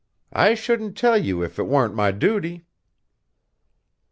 I shouldn't tell you if it warn't my duty."